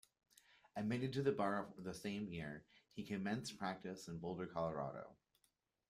Admitted to the bar the same year, he commenced practice in Boulder, Colorado.